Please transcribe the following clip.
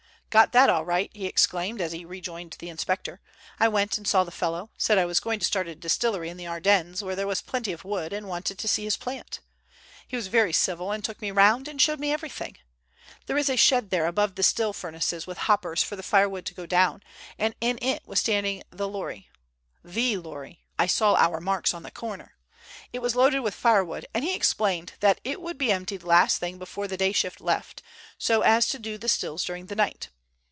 "Got that all right," he exclaimed, as he rejoined the inspector. "I went and saw the fellow; said I was going to start a distillery in the Ardennes where there was plenty of wood, and wanted to see his plant. He was very civil, and took me round and showed me everything. There is a shed there above the still furnaces with hoppers for the firewood to go down, and in it was standing the lorry—the lorry, I saw our marks on the corner. It was loaded with firewood, and he explained that it would be emptied last thing before the day shift left, so as to do the stills during the night.